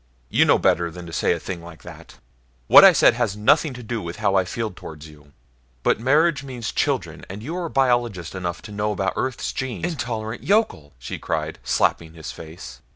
"You know better than to say a thing like that. What I said has nothing to do with how I feel towards you. But marriage means children, and you are biologist enough to know about Earth's genes " "Intolerant yokel!" she cried, slapping his face.